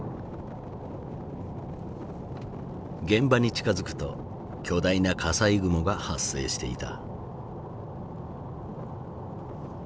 現場に近づくと巨大な火災雲が発生していた。